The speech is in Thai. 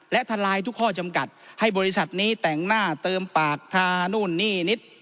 และทลายทุกข้อจำกัดให้บริษัทนี้แต่งหน้าเติมปากทานู่นนี่นิด